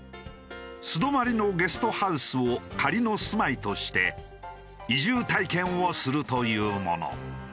素泊まりのゲストハウスを仮の住まいとして移住体験をするというもの。